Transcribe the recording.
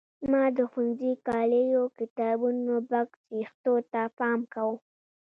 ما د ښوونځي کالیو کتابونو بکس وېښتو ته پام کاوه.